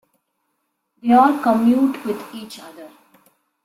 They all commute with each other.